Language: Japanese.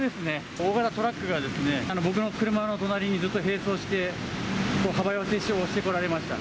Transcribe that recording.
大型トラックが僕の車の隣に、ずっと並走して、幅寄せして、おしてこられました。